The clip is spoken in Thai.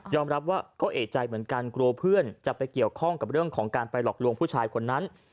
รับว่าก็เอกใจเหมือนกันกลัวเพื่อนจะไปเกี่ยวข้องกับเรื่องของการไปหลอกลวงผู้ชายคนนั้น